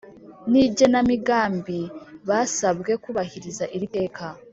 N igenamigambibasabwe kubahiriza iri teka